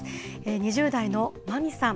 ２０代のマミさん。